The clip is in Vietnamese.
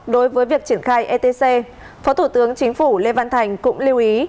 đối với việc triển khai etc phó thủ tướng chính phủ lê văn thành cũng lưu ý